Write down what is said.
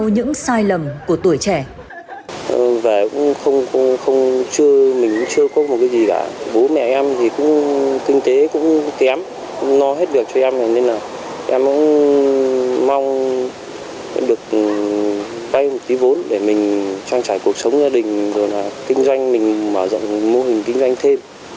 những sai lầm của tuổi trẻ